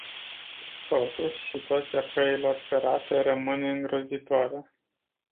Totuși, situația căilor ferate rămâne îngrozitoare.